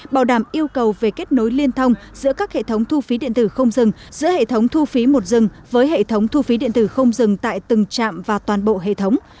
bảo đảm yêu cầu về kết nối liên thông giữa các hệ thống thu phí điện tử không dừng giữa hệ thống thu phí một dừng với hệ thống thu phí điện tử không dừng tại từng trạm và toàn bộ hệ thống